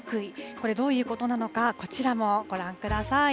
これ、どういうことなのか、こちらもご覧ください。